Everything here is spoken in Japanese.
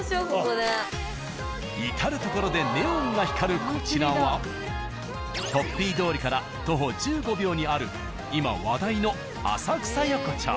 至る所でネオンが光るこちらはホッピー通りから徒歩１５秒にある今話題の浅草横町。